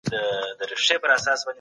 د بدن طبیعت سره نامناسبه وینه رد کېږي.